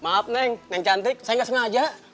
maaf neng neng cantik saya nggak sengaja